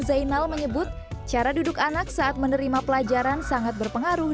zainal menyebut cara duduk anak saat menerima pelajaran sangat berpengaruh